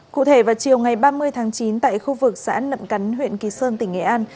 cụ thể vào chiều ngày ba mươi tháng chín tại khu vực xã nậm cắn huyện kỳ sơn tỉnh nghệ an